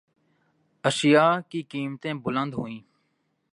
اشیا کی قیمتیں بلند ہوئیں